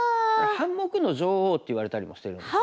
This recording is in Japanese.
「半目の女王」って言われたりもしてるんですね。